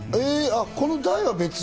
この台は別？